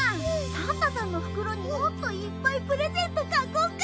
サンタさんの袋にもっといっぱいプレゼント描こうか！